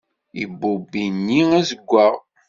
Ibubb ini azeggwaɣ.